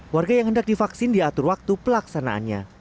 warga yang hendak divaksin diatur waktu pelaksanaannya